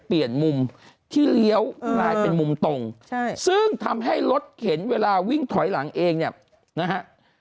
เปลี่ยนมุมที่เลี้ยวลายเป็นมุมตรงใช่ซึ่งทำให้รถเข็นเวลาวิ่งถอยหลังเองเนี่ยนะฮะ